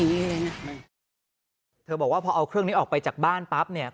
อีกจานประหลาดทั้งหมดหายไปไหมครับ